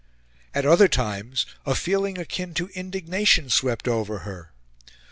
At other times a feeling akin to indignation swept over her.